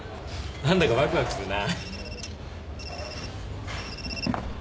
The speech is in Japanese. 何だかワクワクするな。